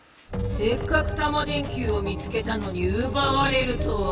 せっかくタマ電Ｑを見つけたのにうばわれるとは。